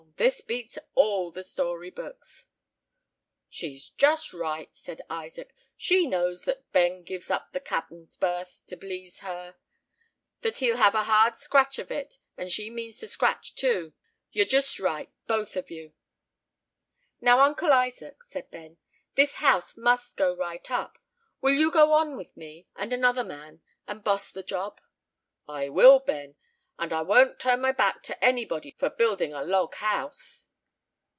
this beats all the story books." "She's just right," said Isaac. "She knows that Ben gives up the cap'in's berth to please her; that he'll have a hard scratch of it, and she means to scratch, too. You're just right, both of you." "Now, Uncle Isaac," said Ben, "this house must go right up. Will you go on with me and another man, and 'boss' the job?" "I will, Ben; and I won't turn my back to any body for building a log house."